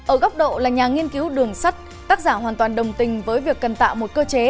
ở góc độ là nhà nghiên cứu đường sắt tác giả hoàn toàn đồng tình với việc cần tạo một cơ chế